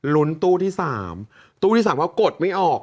รุ้นตู้ที่๓ตู้ที่๓เขากดไม่ออก